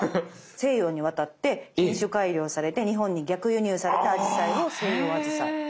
西洋に渡って品種改良されて日本に逆輸入されたアジサイを西洋アジサイ。